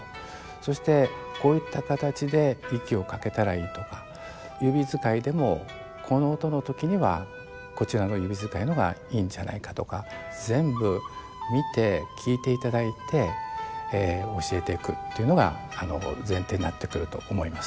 そしてこういった形で息をかけたらいいとか指使いでもこの音の時にはこちらの指使いの方がいいんじゃないかとか全部見て聴いていただいて教えていくっていうのが前提になってくると思います。